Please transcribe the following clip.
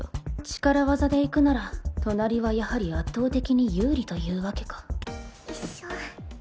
力技でいくなら隣はやはり圧倒的に有利というわけかよいしょ。